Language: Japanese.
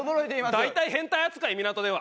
大体変態扱い港では。